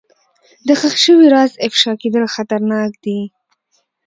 د ښخ شوي راز افشا کېدل خطرناک دي.